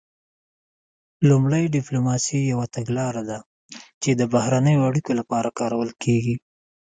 لومړی ډیپلوماسي یوه تګلاره ده چې د بهرنیو اړیکو لپاره کارول کیږي